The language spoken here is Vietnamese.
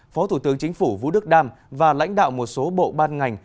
phó thủ tướng chính phủ vũ đức đam và lãnh đạo một số bộ ban ngành